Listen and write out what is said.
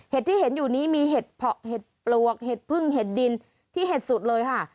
ที่เห็นอยู่นี้มีเห็ดเพาะเห็ดปลวกเห็ดพึ่งเห็ดดินที่เห็ดสุดเลยค่ะ